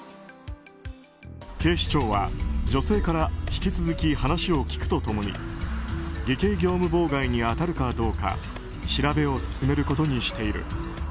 警視庁は、女性から引き続き話を聞くと共に偽計業務妨害に当たるかどうか調べを進めることにしている。